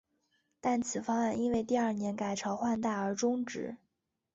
但此方案因为第二年改朝换代而中止。